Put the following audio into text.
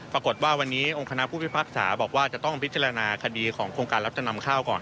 ปรากฏว่าวันนี้องค์คณะผู้พิพากษาบอกว่าจะต้องพิจารณาคดีของโครงการรับจำนำข้าวก่อน